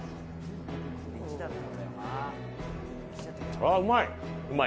あ、うまい。